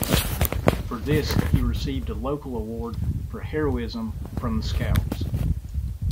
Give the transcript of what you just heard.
For this, he received a local award for heroism from the Scouts.